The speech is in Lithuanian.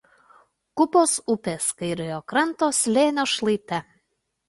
Kupos upės kairiojo kranto slėnio šlaite.